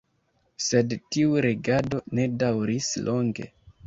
Sed tiu regado ne daŭris longe.